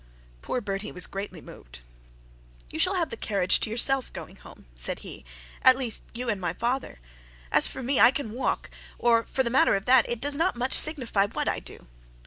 Poor Bertie was greatly moved. 'You shall have the carriage to yourself going home,' said he, 'at least you and my father. As for me I can walk, or for the matter of that it does not much signify what I do.'